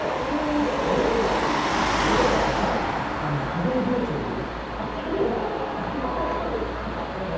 飾り包丁を入れる？